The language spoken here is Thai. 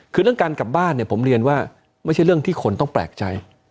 คือเรื่องการกลับบ้านเนี่ยผมเรียนว่าไม่ใช่เรื่องที่คนต้องแปลกใจ